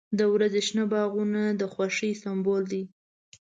• د ورځې شنه باغونه د خوښۍ سمبول دی.